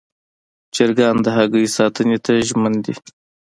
چرګان د هګیو ساتنې ته ژمن دي.